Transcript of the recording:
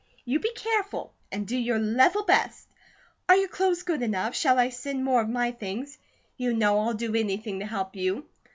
You be careful, and do your level best. Are your clothes good enough? Shall I send more of my things? You know I'll do anything to help you.